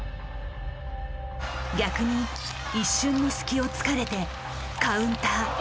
逆に一瞬の隙をつかれてカウンター。